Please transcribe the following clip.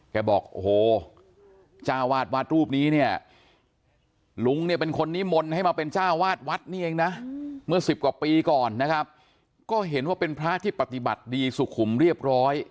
บอกโอ้โหจ้าวาดวัดรูปนี้เนี่ยลุงเนี่ยเป็นคนนิมนต์ให้มาเป็นจ้าวาดวัดนี่เองนะเมื่อสิบกว่าปีก่อนนะครับก็เห็นว่าเป็นพระที่ปฏิบัติดีสุขุมเรียบร้อย